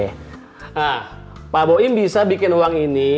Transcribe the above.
nah pak boim bisa bikin uang ini